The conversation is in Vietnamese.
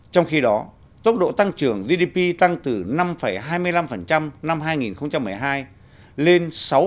trong khi đó tốc độ tăng trưởng của nước ta đã giảm từ sáu tám năm hai nghìn một mươi hai và hai sáu năm hai nghìn một mươi bảy ba năm mươi ba theo cách tính bình quân